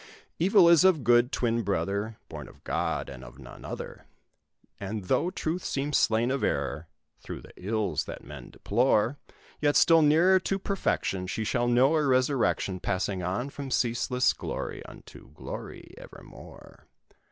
"Evil is of Good, twin brother, Born of God, and of none other: And though Truth seems slain of Error, through the ills that men deplore, Yet, still nearer to perfection, She shall know a resurrection, Passing on from ceaseless glory, unto glory evermore.